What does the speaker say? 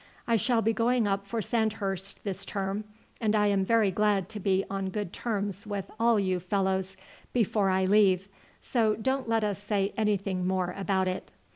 I shall be going up for Sandhurst this term, and I am very glad to be on good terms with all you fellows before I leave; so don't let us say anything more about it."